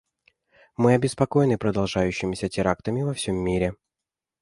Мы обеспокоены продолжающимися терактами во всем мире.